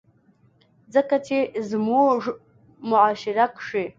ځکه چې زمونږ معاشره کښې